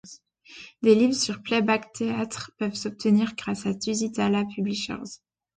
Des livres sur Playback Théâtre peuvent s'obtenir grâce à Tusitala Publishers.